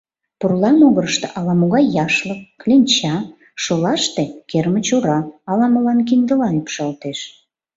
Пурла могырышто ала-могай яшлык, кленча, шолаште — кермыч ора, ала-молан киндыла ӱпшалтеш...